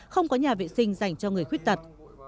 không có nhà vệ sinh dành cho người khuyết tật